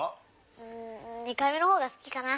うん２回目の方がすきかな。